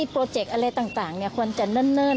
โปรเจกต์อะไรต่างควรจะเนิ่น